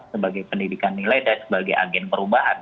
sebagai pendidikan nilai dan sebagai agen perubahan